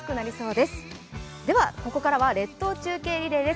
では、ここからは列島中継リレーです。